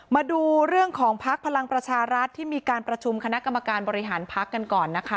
มาดูเรื่องของภักดิ์พลังประชารัฐที่มีการประชุมคณะกรรมการบริหารพักกันก่อนนะคะ